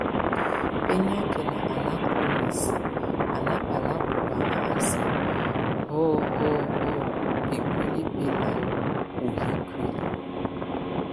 Béniakɛn, a nákʼ o misi, a nábal óbaŋ a sɛk hɔ́ hɔ́ hɔ́ bíkúli belal o yʼ íkuli.